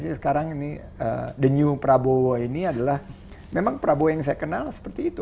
sekarang ini the new prabowo ini adalah memang prabowo yang saya kenal seperti itu